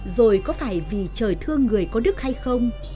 rồi có phải vì trời thương người có đức hay không